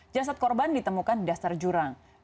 jasad korban ditemukan di dasar jurang